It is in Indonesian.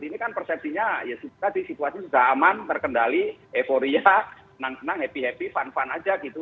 ini kan persepsinya ya tadi situasi sudah aman terkendali euforia senang senang happy happy fun fun aja gitu